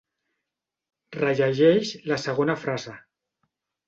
Rellegeix la segona frase.